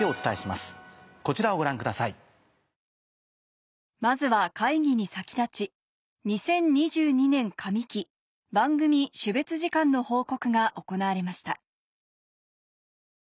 まずは会議に先立ち２０２２年上期番組種別時間の報告が行われました